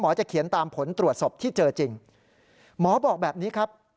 จะเขียนตามผลตรวจศพที่เจอจริงหมอบอกแบบนี้ครับ